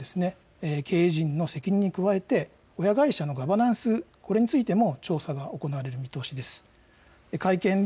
この中では経営陣の責任に加えて親会社のガバナンス、これについても調査が行われる見通しです。